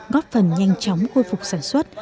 góp phần nhanh chóng khôi phục sản xuất